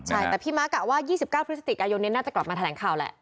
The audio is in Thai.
ใช่แต่พี่ม้ากะว่ายี่สิบเก้าพฤสติกอายุนเนี้ยน่าจะกลับมาแถลงข่าวแหละ